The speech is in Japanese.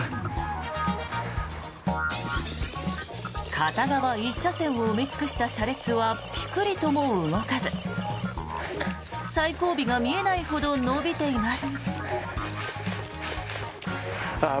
片側１車線を埋め尽くした車列はピクリとも動かず最後尾が見えないほど延びています。